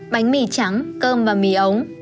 bánh mì trắng cơm và mì ống